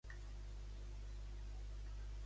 Què expliquen els versos d'Immram Brain?